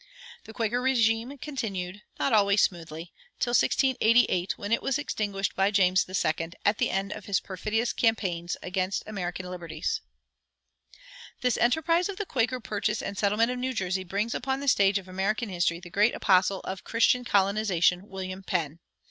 The Quaker régime continued, not always smoothly, till 1688, when it was extinguished by James II. at the end of his perfidious campaigns against American liberties. This enterprise of the Quaker purchase and settlement of New Jersey brings upon the stage of American history the great apostle of Christian colonization, William Penn.